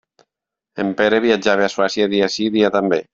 En Pere viatjava a Suècia dia sí, dia també.